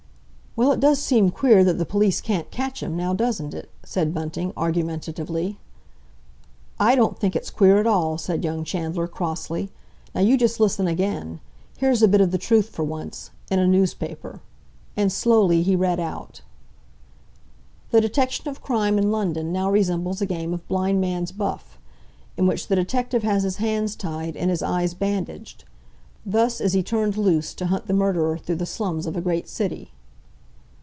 "Well, it does seem queer that the police can't catch him, now doesn't it?" said Bunting argumentatively. "I don't think it's queer at all," said young Chandler crossly. "Now you just listen again! Here's a bit of the truth for once—in a newspaper." And slowly he read out: "'The detection of crime in London now resembles a game of blind man's buff, in which the detective has his hands tied and his eyes bandaged. Thus is he turned loose to hunt the murderer through the slums of a great city.